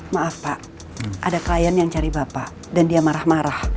maaf pak ada klien yang cari bapak dan dia marah marah